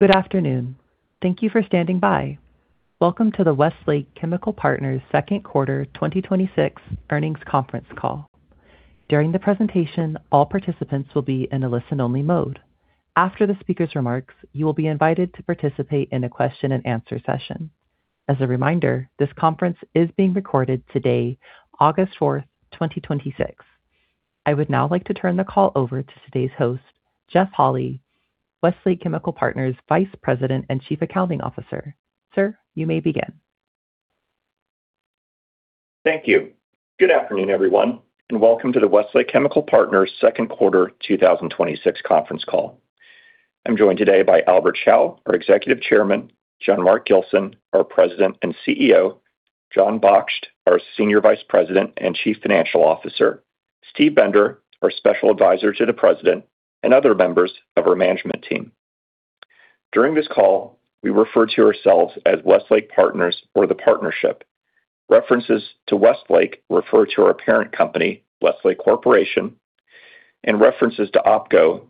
Good afternoon. Thank you for standing by. Welcome to the Westlake Chemical Partners second quarter 2026 earnings conference call. During the presentation, all participants will be in a listen-only mode. After the speaker's remarks, you will be invited to participate in a question and answer session. As a reminder, this conference is being recorded today, August 4th, 2026. I would now like to turn the call over to today's host, Jeff Holy, Westlake Chemical Partners Vice President and Chief Accounting Officer. Sir, you may begin. Thank you. Good afternoon, everyone, and welcome to the Westlake Chemical Partners second quarter 2026 conference call. I am joined today by Albert Chao, our Executive Chairman, Jean Marc Gilson, our President and CEO, John Bochert, our Senior Vice President and Chief Financial Officer, Steve Bender, our Special Advisor to the President, and other members of our management team. During this call, we refer to ourselves as Westlake Partners or the Partnership. References to Westlake refer to our parent company, Westlake Corporation, and references to OpCo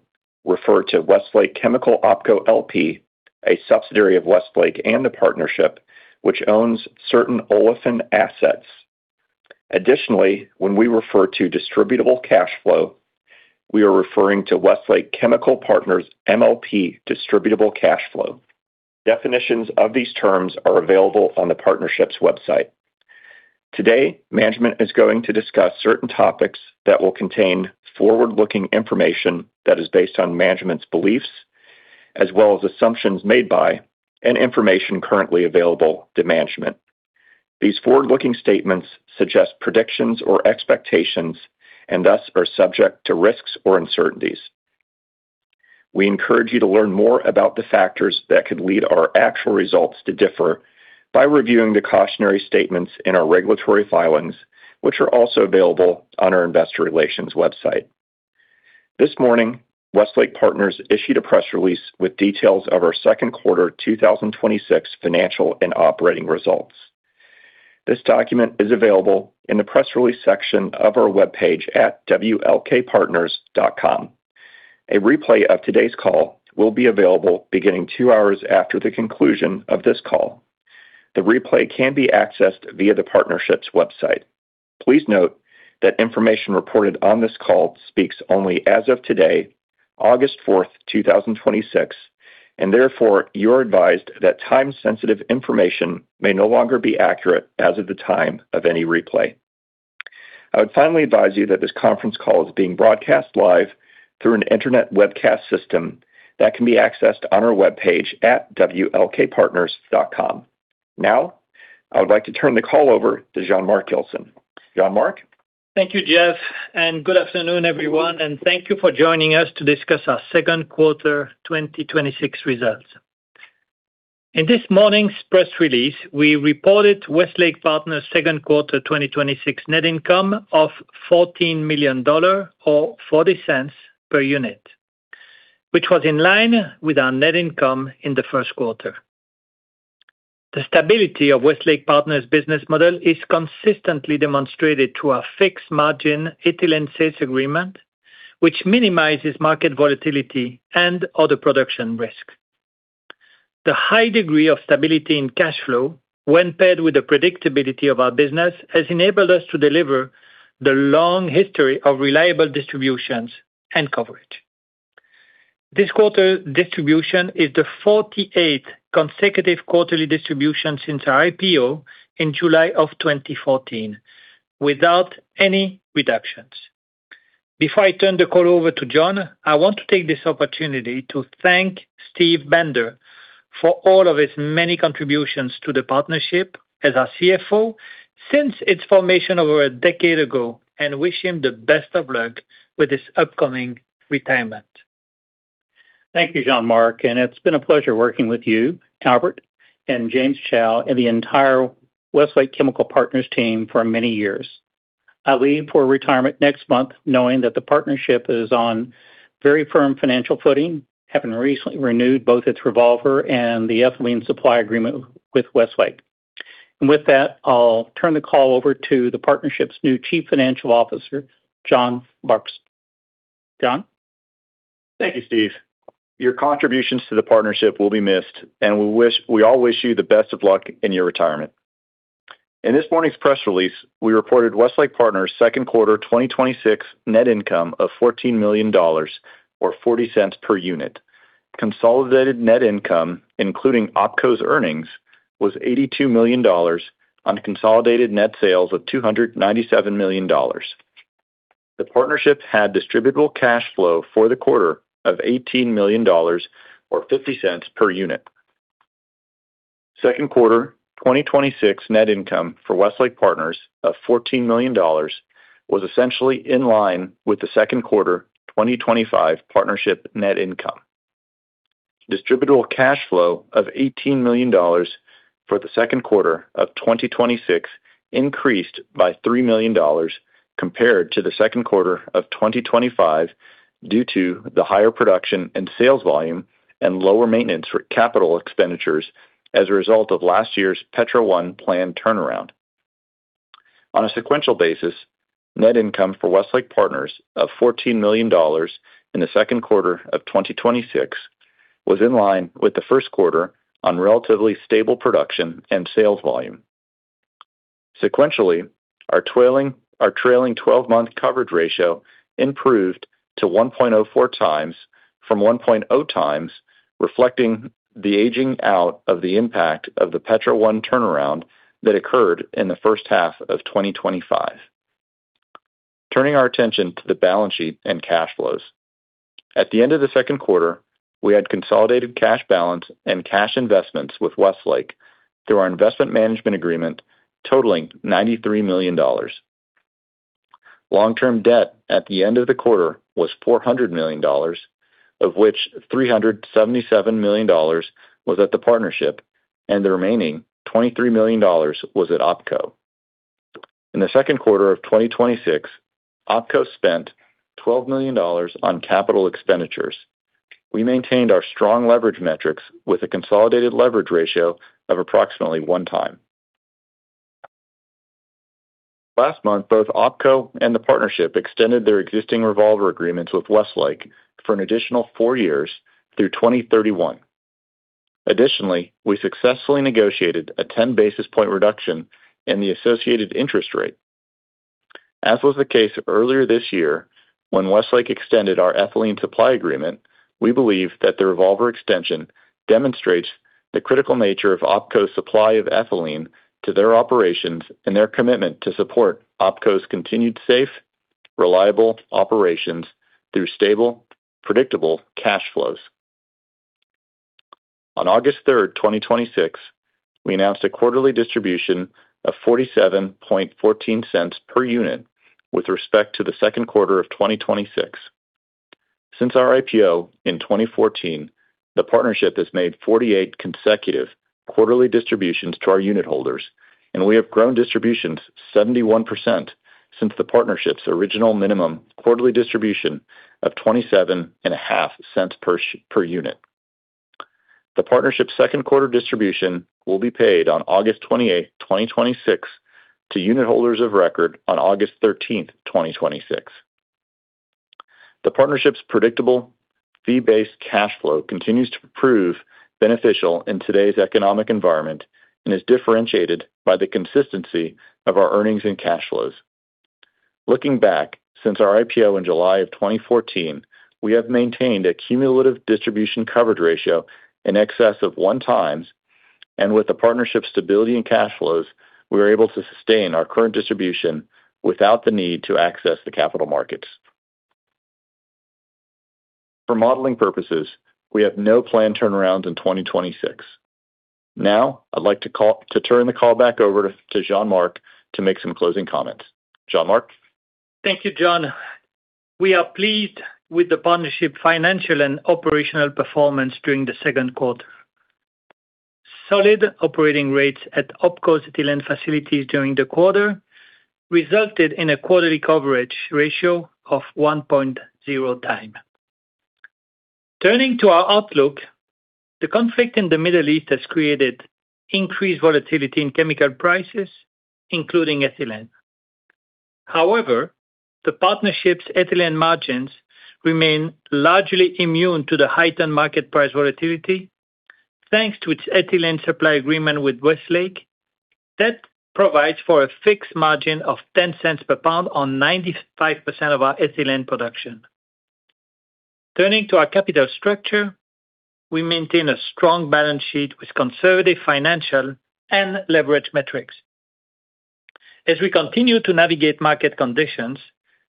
refer to Westlake Chemical OpCo LP, a subsidiary of Westlake and the Partnership, which owns certain olefin assets. Additionally, when we refer to distributable cash flow, we are referring to Westlake Chemical Partners MLP distributable cash flow. Definitions of these terms are available on the Partnership's website. Today, management is going to discuss certain topics that will contain forward-looking information that is based on management's beliefs, as well as assumptions made by, and information currently available to management. These forward-looking statements suggest predictions or expectations and thus are subject to risks or uncertainties. We encourage you to learn more about the factors that could lead our actual results to differ by reviewing the cautionary statements in our regulatory filings, which are also available on our investor relations website. This morning, Westlake Partners issued a press release with details of our second quarter 2026 financial and operating results. This document is available in the press release section of our webpage at wlkpartners.com. A replay of today's call will be available beginning two hours after the conclusion of this call. The replay can be accessed via the Partnership's website. Please note that information reported on this call speaks only as of today, August 4th, 2026, and therefore you are advised that time-sensitive information may no longer be accurate as of the time of any replay. I would finally advise you that this conference call is being broadcast live through an internet webcast system that can be accessed on our webpage at wlkpartners.com. Now, I would like to turn the call over to Jean Marc Gilson. Jean Marc? Thank you, Jeff, and good afternoon, everyone, and thank you for joining us to discuss our second quarter 2026 results. In this morning's press release, we reported Westlake Partners' second quarter 2026 net income of $14 million, or $0.40 per unit, which was in line with our net income in the first quarter. The stability of Westlake Partners' business model is consistently demonstrated through our fixed margin Ethylene Sales Agreement, which minimizes market volatility and other production risks. The high degree of stability in cash flow, when paired with the predictability of our business, has enabled us to deliver the long history of reliable distributions and coverage. This quarter distribution is the 48th consecutive quarterly distribution since our IPO in July of 2014, without any reductions. Before I turn the call over to John, I want to take this opportunity to thank Steve Bender for all of his many contributions to the Partnership as our CFO since its formation over a decade ago, and wish him the best of luck with his upcoming retirement. Thank you, Jean Marc, and it's been a pleasure working with you, Albert, and James Chao, and the entire Westlake Chemical Partners team for many years. I leave for retirement next month knowing that the Partnership is on very firm financial footing, having recently renewed both its revolver and the Ethylene Sales Agreement with Westlake. With that, I'll turn the call over to the Partnership's new Chief Financial Officer, John Bochert. John? Thank you, Steve. Your contributions to the Partnership will be missed, and we all wish you the best of luck in your retirement. In this morning's press release, we reported Westlake Partners' second quarter 2026 net income of $14 million, or $0.40 per unit. Consolidated net income, including OpCo's earnings, was $82 million on consolidated net sales of $297 million. The Partnership had distributable cash flow for the quarter of $18 million, or $0.50 per unit. Second quarter 2026 net income for Westlake Partners of $14 million was essentially in line with the second quarter 2025 Partnership net income. Distributable cash flow of $18 million for the second quarter of 2026 increased by $3 million compared to the second quarter of 2025 due to the higher production and sales volume and lower maintenance capital expenditures as a result of last year's Petro 1 plant turnaround. On a sequential basis, net income for Westlake Partners of $14 million in the second quarter of 2026 was in line with the first quarter on relatively stable production and sales volume. Sequentially, our trailing 12-month coverage ratio improved to 1.04 times from 1.0 times, reflecting the aging out of the impact of the Petro 1 turnaround that occurred in the first half of 2025. Turning our attention to the balance sheet and cash flows. At the end of the second quarter, we had consolidated cash balance and cash investments with Westlake through our Investment Management Agreement totaling $93 million. Long-term debt at the end of the quarter was $400 million, of which $377 million was at the partnership, and the remaining $23 million was at OpCo. In the second quarter of 2026, OpCo spent $12 million on capital expenditures. We maintained our strong leverage metrics with a consolidated leverage ratio of approximately one time. Last month, both OpCo and the partnership extended their existing revolver agreements with Westlake for an additional four years through 2031. Additionally, we successfully negotiated a 10 basis point reduction in the associated interest rate. As was the case earlier this year when Westlake extended our Ethylene Sales Agreement, we believe that the revolver extension demonstrates the critical nature of OpCo's supply of ethylene to their operations and their commitment to support OpCo's continued safe, reliable operations through stable, predictable cash flows. On August 3, 2026, we announced a quarterly distribution of $0.4714 per unit with respect to the second quarter of 2026. Since our IPO in 2014, the partnership has made 48 consecutive quarterly distributions to our unit holders, and we have grown distributions 71% since the partnership's original Minimum Quarterly Distribution of $0.275 per unit. The partnership's second quarter distribution will be paid on August 28, 2026 to unit holders of record on August 13, 2026. The partnership's predictable fee-based cash flow continues to prove beneficial in today's economic environment and is differentiated by the consistency of our earnings and cash flows. Looking back, since our IPO in July of 2014, we have maintained a cumulative distribution coverage ratio in excess of one time. With the partnership's stability and cash flows, we are able to sustain our current distribution without the need to access the capital markets. For modeling purposes, we have no planned turnarounds in 2026. Now I'd like to turn the call back over to Jean Marc to make some closing comments. Jean Marc? Thank you, John. We are pleased with the partnership's financial and operational performance during the second quarter. Solid operating rates at OpCo's ethylene facilities during the quarter resulted in a quarterly coverage ratio of 1.0 time. Turning to our outlook, the conflict in the Middle East has created increased volatility in chemical prices, including ethylene. However, the partnership's ethylene margins remain largely immune to the heightened market price volatility, thanks to its Ethylene Sales Agreement with Westlake. That provides for a fixed margin of $0.10 per pound on 95% of our ethylene production. Turning to our capital structure, we maintain a strong balance sheet with conservative financial and leverage metrics. As we continue to navigate market conditions,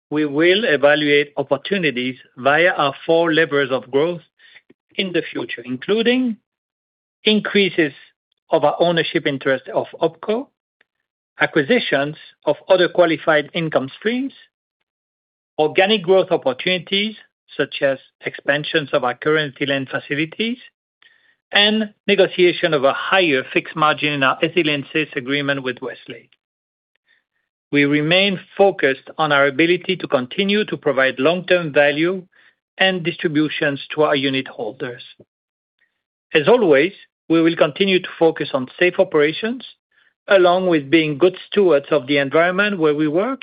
we will evaluate opportunities via our four levers of growth in the future, including increases of our ownership interest of OpCo, acquisitions of other qualified income streams, organic growth opportunities such as expansions of our current ethylene facilities, and negotiation of a higher fixed margin in our Ethylene Sales Agreement with Westlake. We remain focused on our ability to continue to provide long-term value and distributions to our unitholders. As always, we will continue to focus on safe operations, along with being good stewards of the environment where we work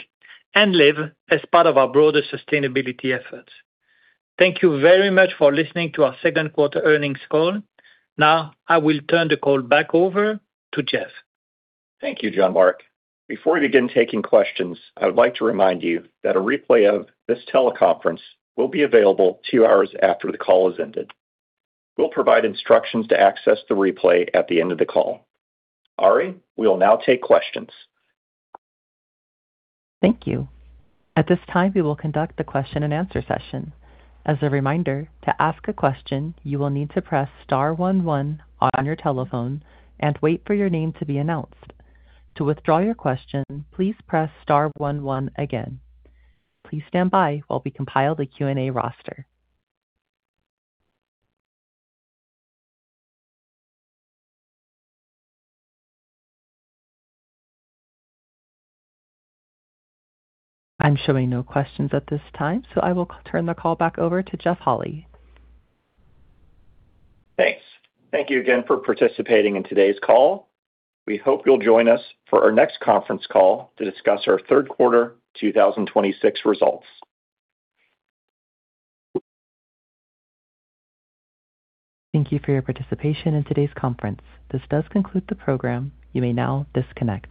and live as part of our broader sustainability efforts. Thank you very much for listening to our second quarter earnings call. Now I will turn the call back over to Jeff. Thank you, Jean Marc. Before we begin taking questions, I would like to remind you that a replay of this teleconference will be available two hours after the call has ended. We'll provide instructions to access the replay at the end of the call. Ari, we will now take questions. Thank you. At this time, we will conduct the question and answer session. As a reminder, to ask a question, you will need to press star one one on your telephone and wait for your name to be announced. To withdraw your question, please press star one one again. Please stand by while we compile the Q&A roster. I'm showing no questions at this time. I will turn the call back over to Jeff Holy. Thanks. Thank you again for participating in today's call. We hope you'll join us for our next conference call to discuss our third quarter 2026 results. Thank you for your participation in today's conference. This does conclude the program. You may now disconnect.